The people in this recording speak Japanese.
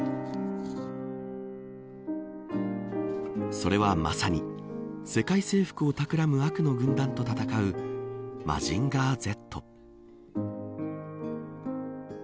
それはまさに世界征服をたくらむ悪の軍団と戦うマジンガーＺ。